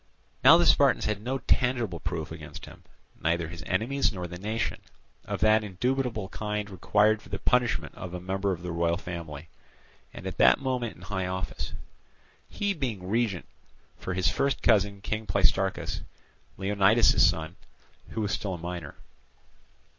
Now the Spartans had no tangible proof against him—neither his enemies nor the nation—of that indubitable kind required for the punishment of a member of the royal family, and at that moment in high office; he being regent for his first cousin King Pleistarchus, Leonidas's son, who was still a minor.